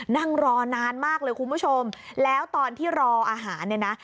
นั่งรอนานมากเลยคุณผู้ชมแล้วตอนที่รออาหารเนี่ยนะ